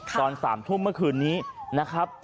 ตอน๓ทุ่มเมื่อคืนนี้นะครับ